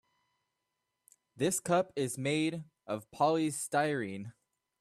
This cup is made of polystyrene.